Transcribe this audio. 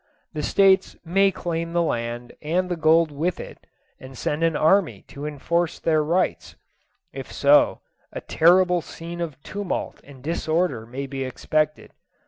The States may claim the land, and the gold within it, and send an army to enforce their rights. If so, a terrible scene of tumult and disorder may be expected.